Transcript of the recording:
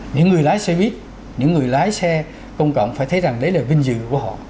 những người lái xe buýt những người lái xe công cộng phải thấy rằng đấy là vinh dự của họ